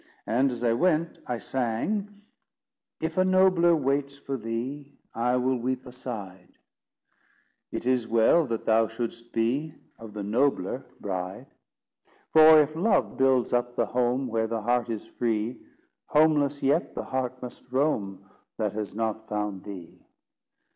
And as I went, I sang— If a nobler waits for thee, I will weep aside; It is well that thou should'st be, Of the nobler, bride. For if love builds up the home, Where the heart is free, Homeless yet the heart must roam, That has not found thee.